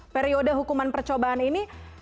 periode hukuman percobaan ini